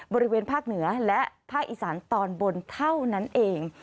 บริเวณภาคเหนือและภาคอีสานตอนบนเท่านั้นเอง